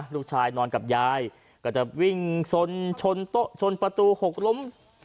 ลูกชายนอนกับยายก็จะวิ่งชนประตูหกล้ม